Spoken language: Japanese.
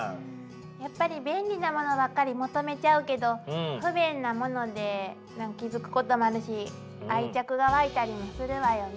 やっぱり便利なものばっかり求めちゃうけど不便なもので気付くこともあるし愛着が湧いたりもするわよね。